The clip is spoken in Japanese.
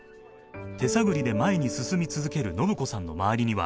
手探りで前に進み続ける伸子さんの周りには